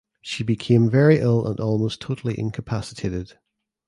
She became very ill and almost totally incapacitated.